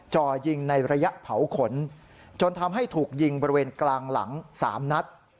จ่อยิงในระยะเผาขนจนทำให้ถูกยิงบริเวณกลางหลัง๓นัด